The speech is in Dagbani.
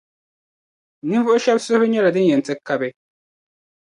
Ninvuɣu shɛba suhiri nyɛla din yɛn ti kabi.